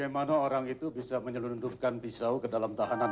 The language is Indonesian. bagaimana orang itu bisa menyelundupkan pisau ke dalam tahanan